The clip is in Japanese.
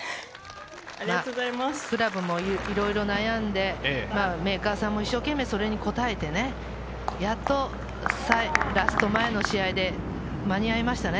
クラブもいろいろ悩んでメーカーさんも一生懸命それに応えて、やっとラスト前の試合で間に合いましたね。